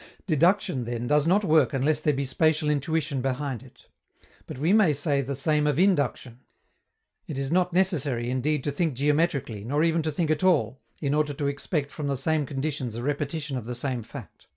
Deduction, then, does not work unless there be spatial intuition behind it. But we may say the same of induction. It is not necessary indeed to think geometrically, nor even to think at all, in order to expect from the same conditions a repetition of the same fact.